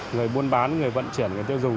người buôn bán người vận chuyển người tiêu dùng